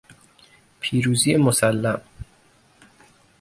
پیروزی مسلم